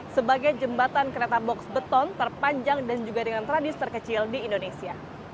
sebagai jembatan kereta box beton terpanjang dan juga dengan tradisi terkecil di indonesia